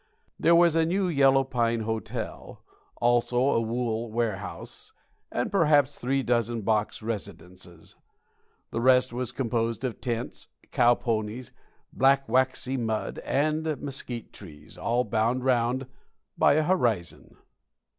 There was a new yellow pine hotel, also a wool warehouse, and perhaps three dozen box residences. The rest was composed of tents, cow ponies, "black waxy" mud, and mesquite trees, all bound round by a horizon.